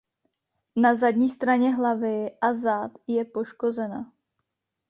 Na zadní straně hlavy a zad je poškozena.